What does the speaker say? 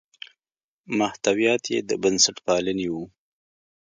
محتویات یې د بنسټپالنې وو.